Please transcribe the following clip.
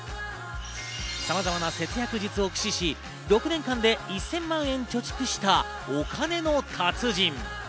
さまざまな節約術を駆使し、６年間で１０００万円を貯蓄したお金の達人。